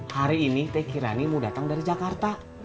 hari ini teh kirani mau datang dari jakarta